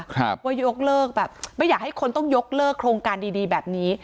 ว่ายกเลิกแบบไม่อยากให้คนต้องยกเลิกโครงการดีดีแบบนี้